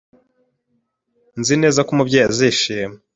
Nzi neza ko Umubyeyi azishima.